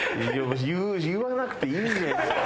言わなくていいじゃないですか。